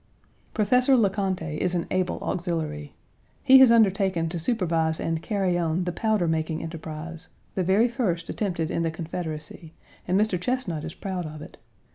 Professor Le Conte1 is an able auxiliary. He has undertaken to supervise and carry on the powder making enterprise the very first attempted in the Confederacy, and Mr. Chesnut is proud of it.